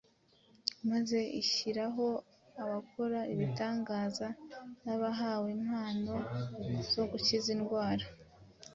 maze ishyiraho abakora ibitangaza, n’abahawe impano zo gukiza indwara,